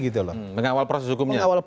dengan awal proses hukumnya